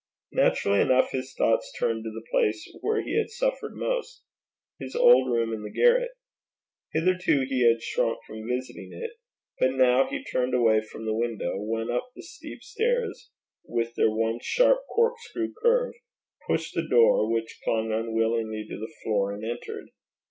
Naturally enough his thoughts turned to the place where he had suffered most his old room in the garret. Hitherto he had shrunk from visiting it; but now he turned away from the window, went up the steep stairs, with their one sharp corkscrew curve, pushed the door, which clung unwillingly to the floor, and entered.